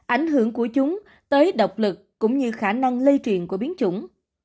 ảnh hưởng của chúng tới độc lực cũng như khả năng lây truyền của biến chủng